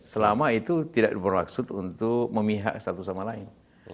selama itu tidak bermaksud untuk memihak satu sama lain